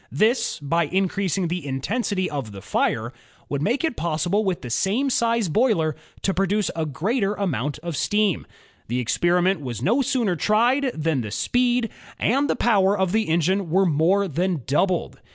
This, by increasing the intensity of the fire, would make it possible with the same size boiler to produce a greater amount of steam. The ex periment was no sooner tried than the speed and the 62 INVENTIONS OF STEAM AND ELECTRIC POWER power of the engine were more than doubled.